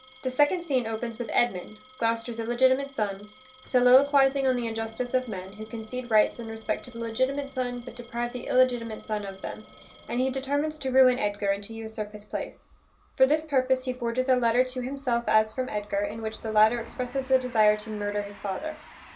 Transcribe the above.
The second scene opens with Edmund, Gloucester's illegitimate son, soliloquizing on the injustice of men, who concede rights and respect to the legitimate son, but deprive the illegitimate son of them, and he determines to ruin Edgar, and to usurp his place. For this purpose, he forges a letter to himself as from Edgar, in which the latter expresses a desire to murder his father.